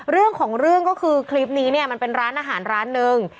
เรื่องของเรื่องก็คือคลิปนี้เนี่ยมันเป็นร้านอาหารร้านหนึ่ง